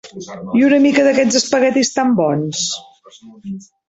I una mica d'aquests espaguetis tan bons?